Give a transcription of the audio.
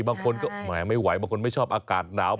บางคนก็แหมไม่ไหวบางคนไม่ชอบอากาศหนาว